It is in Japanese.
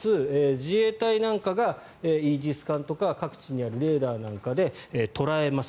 自衛隊なんかがイージス艦とか各地にあるレーダーなんかで捉えます。